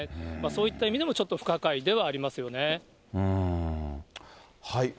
そういった意味でもちょっと不可解ではありますよね。